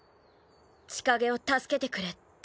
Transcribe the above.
千景を助けてくれと。